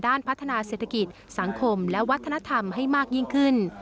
พัฒนาเศรษฐกิจสังคมและวัฒนธรรมให้มากยิ่งขึ้น